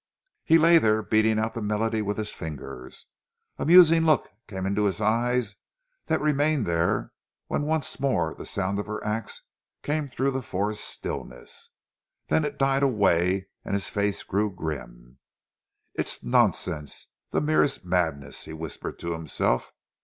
He lay there beating out the melody with his fingers. A musing look came in his eyes that remained there when once more the sound of her ax came through the forest stillness. Then it died away and his face grew grim. "It's nonsense, the merest madness!" he whispered to himself.